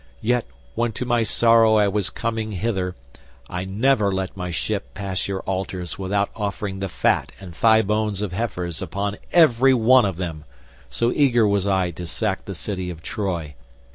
Yet, when to my sorrow I was coming hither, I never let my ship pass your altars without offering the fat and thigh bones of heifers upon every one of them, so eager was I to sack the city of Troy.